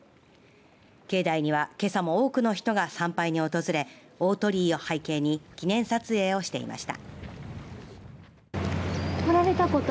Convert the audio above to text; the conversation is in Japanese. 境内にはけさも多くの人が参拝に訪れ大鳥居を背景に記念撮影をしていました。